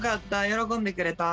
喜んでくれた？